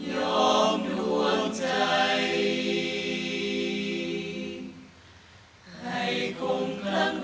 ยอมดวงใจให้คงข้างใกล้